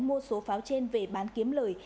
mua số pháo trên về bán kiếm lời